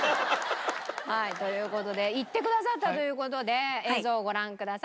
はいという事で行ってくださったという事で映像をご覧ください。